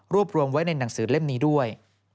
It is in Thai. รวมไว้ในหนังสือเล่มนี้ด้วย